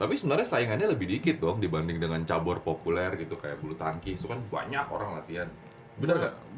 tapi sebenarnya saingannya lebih dikit dong dibanding dengan cabur populer gitu kayak bulu tangki itu kan banyak orang latihan bener gak